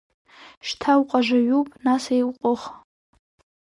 Шьҭа уҟажаҩуп, нас еиҟәых!